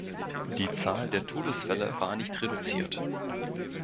Die Zahl der Todesfälle war nicht reduziert.